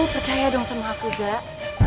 percaya dong sama aku zak